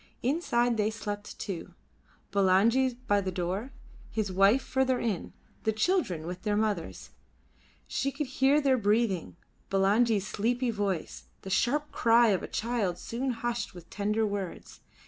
Inside they slept too: Bulangi by the door; his wives further in; the children with their mothers. She could hear their breathing; Bulangi's sleepy voice; the sharp cry of a child soon hushed with tender words.